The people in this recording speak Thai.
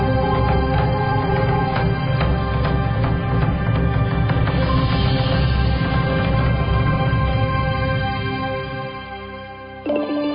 แรกใบหนึ่ง